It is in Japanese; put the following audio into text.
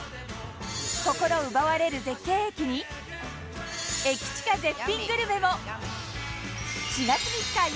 心奪われる絶景駅に駅チカ絶品グルメも